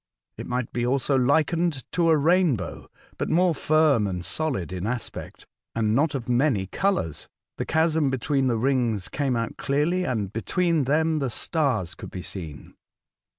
It might be also likened to a rainbow, but more firm and solid in aspect, and not of many colours. The chasm between the rings came out clearly, and between them the stars could be seen.